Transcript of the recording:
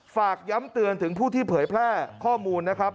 ฝากย้ำเตือนถึงผู้ที่เผยแพร่ข้อมูลนะครับ